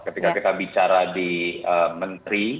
ketika kita bicara di menteri